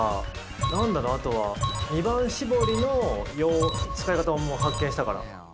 なんだろう、あとは二番搾りの使い方を発見したから。